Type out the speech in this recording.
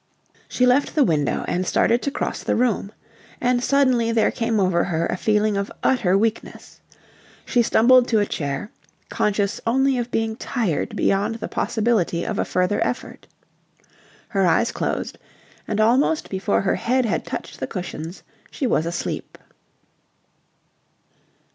She left the window and started to cross the room. And suddenly there came over her a feeling of utter weakness. She stumbled to a chair, conscious only of being tired beyond the possibility of a further effort. Her eyes closed, and almost before her head had touched the cushions she was asleep.